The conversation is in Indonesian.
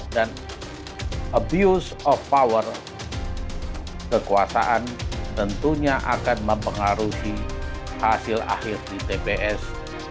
dan abuse of power kekuasaan tentunya akan mempengaruhi hasil akhir di tps